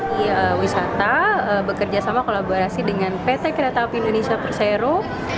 di wisata bekerja sama kolaborasi dengan pt kereta api indonesia persero